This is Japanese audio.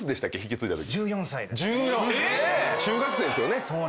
えっ⁉中学生ですよね。